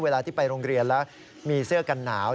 เวลาที่ไปโรงเรียนแล้วมีเสื้อกันหนาว